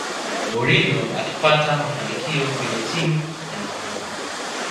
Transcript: mourinho akipata mafanikio kwenye timu anaondoka